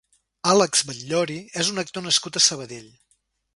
Àlex Batllori és un actor nascut a Sabadell.